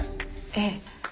ええ。